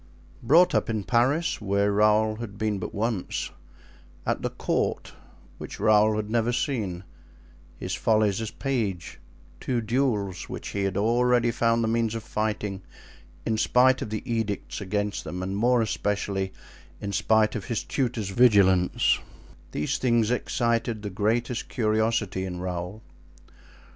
Brought up in Paris, where Raoul had been but once; at the court, which Raoul had never seen; his follies as page; two duels, which he had already found the means of fighting, in spite of the edicts against them and, more especially, in spite of his tutor's vigilance—these things excited the greatest curiosity in Raoul.